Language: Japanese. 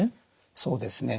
そうですね。